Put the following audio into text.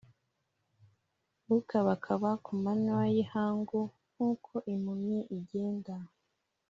ukabakaba ku manywa y’ihangu nk’uko impumyi igenda